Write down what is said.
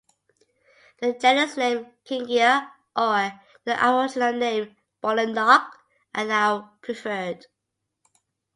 The genus name "Kingia" or the Aboriginal name bullanock are now preferred.